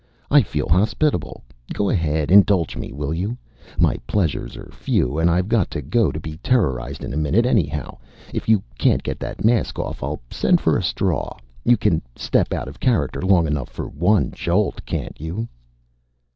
"I feel hospitable. Go ahead, indulge me, will you? My pleasures are few. And I've got to go and be terrorized in a minute, anyhow. If you can't get that mask off I'll send for a straw. You can step out of character long enough for one jolt, can't you?"